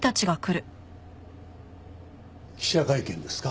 記者会見ですか？